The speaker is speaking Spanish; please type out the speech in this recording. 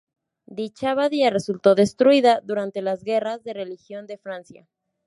Dicha abadía resultó destruida durante las Guerras de religión de Francia.